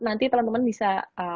nanti teman teman bisa